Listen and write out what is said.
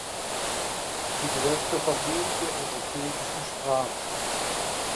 Sie gehört zur Familie der irokesischen Sprachen.